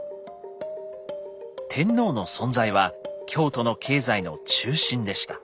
天皇の存在は京都の経済の中心でした。